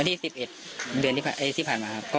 วันที่สิบเอ็ดครับเดือนที่๑๐ผ่านมาครับ